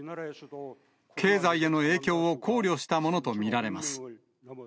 経済への影響を考慮したものと見られます。